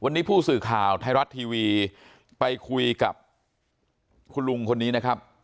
วันนี้ผู้สื่อข่าวไทยรัฐทีวีไปคุยกับคุณลุงคนนี้นะครับ